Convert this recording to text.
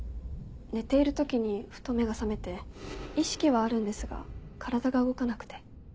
寝ている時にふと目が覚めて意識はあるんですが体が動かなくて。